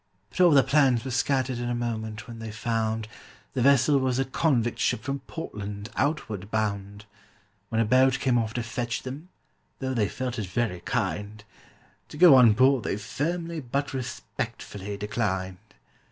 But all their plans were scattered in a moment when they found The vessel was a convict ship from Portland, outward bound; When a boat came off to fetch them, though they felt it very kind, To go on board they firmly but respectfully declined.